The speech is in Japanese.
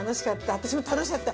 私も楽しかった。